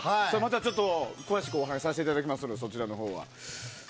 あとで詳しくお話しさせていただきますのでそちらのほうは。